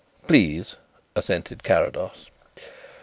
"Please," assented Carrados.